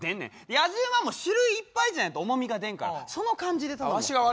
やじ馬も種類いっぱいじゃないと重みが出んからその感じで頼むわ。